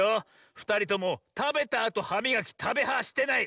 ふたりともたべたあとはみがき「たべは」してない！